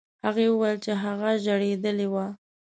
هغې وویل چې هغه ژړېدلی و.